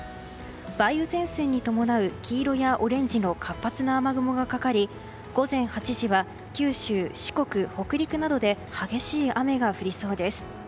梅雨前線に伴う黄色やオレンジの活発な雨雲がかかり午前８時は九州・四国北陸などで激しい雨が降りそうです。